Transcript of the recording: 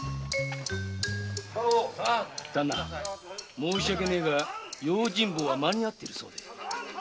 申し訳ねぇが用心棒は間に合ってるそうで。